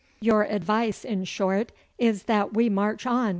'Your advice, in short, is that we march on!